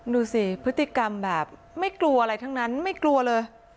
ดูสิพฤติกรรมแบบไม่กลัวอะไรทั้งนั้นไม่กลัวเลย